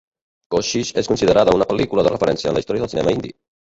Koshish és considerada una pel·lícula de referència en la història del cinema indi.